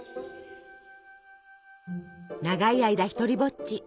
長い間独りぼっち。